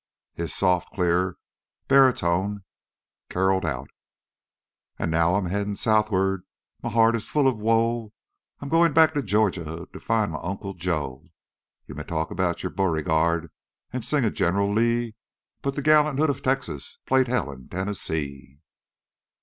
His soft, clear baritone caroled out: "And now I'm headin' southward, my heart is full of woe, I'm goin' back to Georgia to find my Uncle Joe, You may talk about your Beauregard an' sing of General Lee, But the gallant Hood of Texas played Hell in Tennessee."